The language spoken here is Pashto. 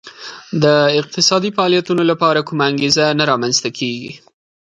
د اقتصادي فعالیتونو لپاره کومه انګېزه نه رامنځته کېږي